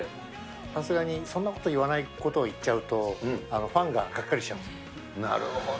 さすがにそんなこと言わないってこと言っちゃうと、ファンががっなるほど。